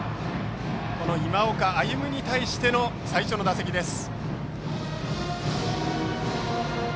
今岡歩夢に対しての最初の打席です。